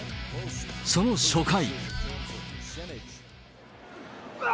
その初回。